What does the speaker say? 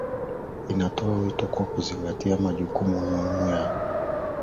Inatoa wito wa kuzingatia jukumu muhimu la waandishi wa habari